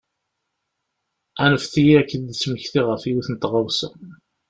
Anfet-iyi ad k-id-smektiɣ ɣef yiwet n tɣawsa.